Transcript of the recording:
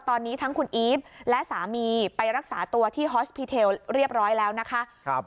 ตอนนี้ทั้งคุณอีฟและสามีไปรักษาตัวที่ฮอสพีเทลเรียบร้อยแล้วนะคะ